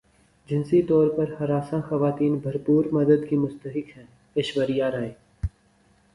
جنسی طور پر ہراساں خواتین بھرپور مدد کی مستحق ہیں ایشوریا رائے